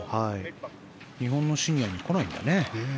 日本のシニアに来ないんだね。